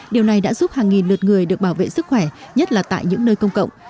điều này đã giúp hàng nghìn lượt người được bảo vệ sức khỏe nhất là tại những nơi công cộng